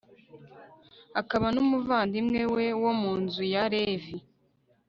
akaba n'umuvandimwe we, wo mu nzu ya levi